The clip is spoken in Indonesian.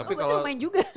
oh berarti lumayan juga